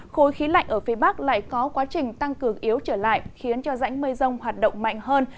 khối khí lạnh ở phía bắc lại có quá trình tăng cường yếu trở lại khiến cho rãnh mây rông hoạt động mạnh hơn